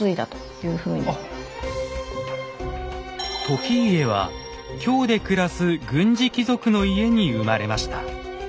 時家は京で暮らす軍事貴族の家に生まれました。